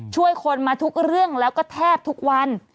ช่วยคนมาทุกเรื่องแล้วก็แทบทุกวัน